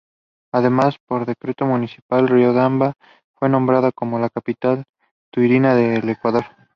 The building is achieved in one year.